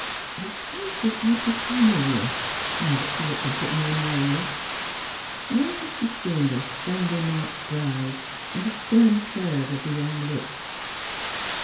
His face was oddly familiar, now that she looked at it more narrowly. Where had she seen those 268 THE HEART OF PHILUEA strongly marked brows, and the stern curve of the young lips?